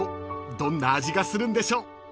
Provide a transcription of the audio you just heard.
どんな味がするんでしょう］